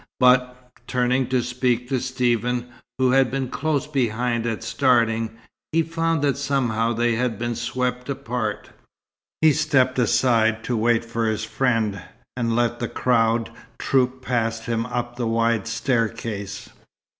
But, turning to speak to Stephen, who had been close behind at starting, he found that somehow they had been swept apart. He stepped aside to wait for his friend, and let the crowd troop past him up the wide staircase.